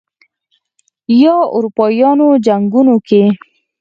یا اروپايانو جنګونو کې